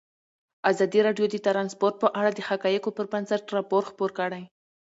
ازادي راډیو د ترانسپورټ په اړه د حقایقو پر بنسټ راپور خپور کړی.